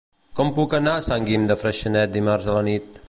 Com puc anar a Sant Guim de Freixenet dimarts a la nit?